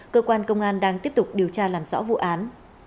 cơ quan công an đang tiếp tục điều tra làm rõ vụ án